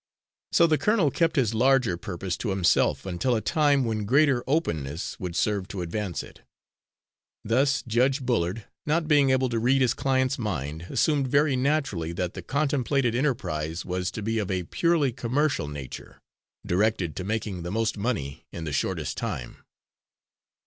So the colonel kept his larger purpose to himself until a time when greater openness would serve to advance it. Thus Judge Bullard, not being able to read his client's mind, assumed very naturally that the contemplated enterprise was to be of a purely commercial nature, directed to making the most money in the shortest time.